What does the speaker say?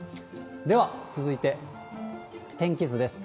では、続いて天気図です。